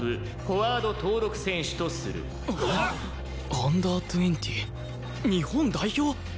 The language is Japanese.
フォワード登録選手とする」Ｕ−２０ 日本代表！？